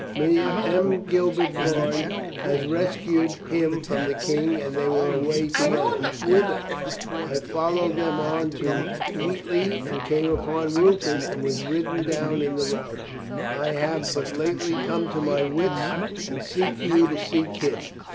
M. Gilbert Bourne had rescued him from the King and they were away together. Whither? I followed them on to Wheat ley and came upon Rupert and was ridden down in the rout. I have but lately come to my wits and seek you to seek him."